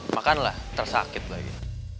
makanlah tersakit lagi